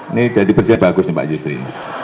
ini jadi presiden bagus ya pak yusri